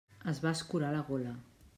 Es va escurar la gola.